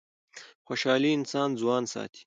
خوشحالي انسان ځوان ساتي.